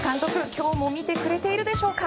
今日も見てくれているでしょうか？